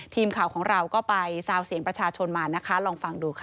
ทีมข่าวของเราก็ไปซาวเสียงประชาชนมานะคะลองฟังดูค่ะ